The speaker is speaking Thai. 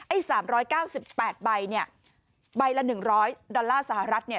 ไอ้สามร้อยเก้าสิบแปดใบเนี่ยใบละหนึ่งร้อยดอลลาร์สหรัฐเนี่ย